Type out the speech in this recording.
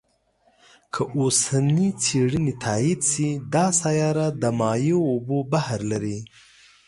که اوسنۍ څېړنې تایید شي، دا سیاره د مایع اوبو بحر لري.